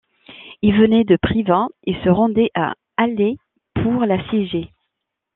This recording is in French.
Il venait de Privas et se rendait à Alais pour l'assiéger.